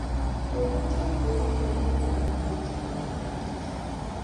Kobetyo kouye betei urwet yerorokto asista